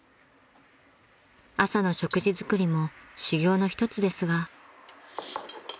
［朝の食事作りも修業の一つですが］